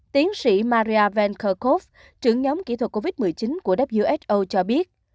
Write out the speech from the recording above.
tiến sĩ maria van kerkhove trưởng nhóm kỹ thuật covid một mươi chín của who cho biết